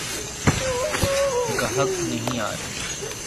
گاہک نہیں آرہے۔